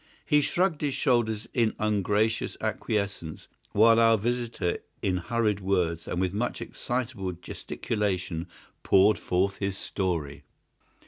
He shrugged his shoulders in ungracious acquiescence, while our visitor in hurried words and with much excitable gesticulation poured forth his story.